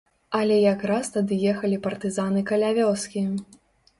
Але якраз тады ехалі партызаны каля вёскі.